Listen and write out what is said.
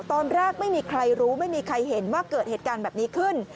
ตอนแรกไม่มีใครรู้ไม่มีใครเห็นว่าเกิดเหตุการณ์แบบนี้ขึ้น